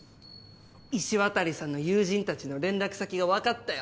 石渡さんの友人たちの連絡先が分かったよ。